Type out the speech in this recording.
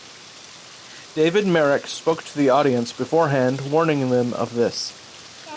David Merrick spoke to the audience beforehand warning them of this.